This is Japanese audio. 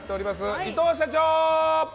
伊藤社長！